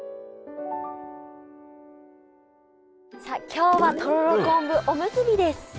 さあ今日はとろろ昆布おむすびです。